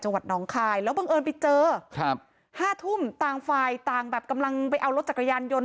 วัดน้องคายแล้วบังเอิญไปเจอครับห้าทุ่มต่างฝ่ายต่างแบบกำลังไปเอารถจักรยานยนต์